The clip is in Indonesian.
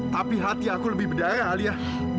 tapi hati aku lebih berdarah alia